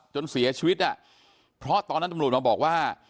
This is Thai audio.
จนเสียชีวิตอ่ะเพราะตอนนั้นตำรวจมาบอกว่า